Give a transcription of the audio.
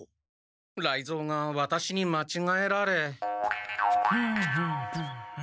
雷蔵がワタシにまちがえられ。